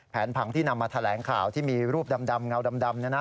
ผังที่นำมาแถลงข่าวที่มีรูปดำเงาดำ